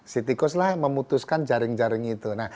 si tikuslah memutuskan jaring jaring itu